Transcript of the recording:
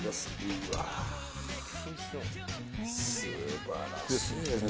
うわあ、素晴らしいですね。